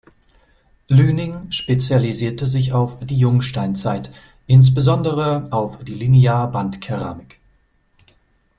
Lüning spezialisierte sich auf die Jungsteinzeit, insbesondere auf die Linearbandkeramik.